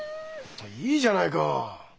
いいじゃないか！